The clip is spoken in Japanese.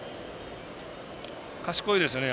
賢いですよね